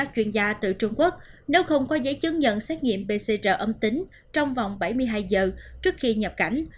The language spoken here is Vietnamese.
chuyên gia từ trung quốc nếu không có giấy chứng nhận xét nghiệm pcr âm tính trong vòng bảy mươi hai giờ trước khi nhập cảnh